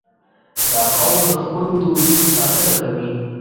• دا قوم د خپلو دودونو ساتنه کوي.